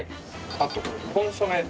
あとコンソメ。